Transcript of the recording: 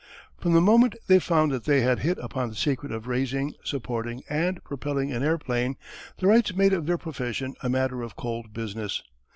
_] From the moment they found that they had hit upon the secret of raising, supporting, and propelling an airplane, the Wrights made of their profession a matter of cold business.